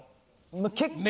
まぁ結構。